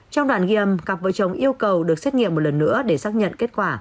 trong đoạn ghiêm các vợ chồng yêu cầu được xét nghiệm một lần nữa để xác nhận kết quả